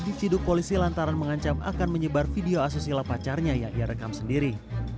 diciduk polisi lantaran mengancam akan menyebar video asusila pacarnya yang ia rekam sendiri